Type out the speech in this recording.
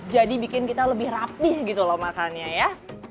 jadi bikin kita lebih rapi gitu loh makannya ya